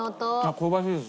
香ばしいです